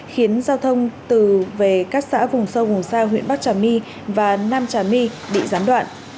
khiến giao thông từ về các xã vùng sâu vùng xa huyện bắc trả my và nam trả my bị giám đoạn